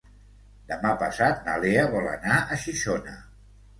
Demà passat na Lea vol anar a Xixona.